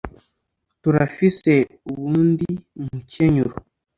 turafise uwundi mukenyuro